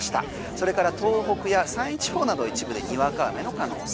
それから東北や山陰地方など一部でにわか雨の可能性。